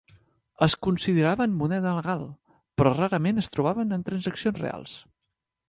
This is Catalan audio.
Es consideraven moneda legal, però rarament es trobaven en transaccions reals.